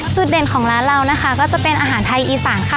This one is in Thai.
จุดเด่นของร้านเราจะเป็นอาหารไทยอีสัง